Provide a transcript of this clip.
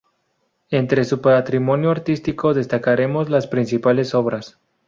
Entre su patrimonio artístico destacaremos las principales obras.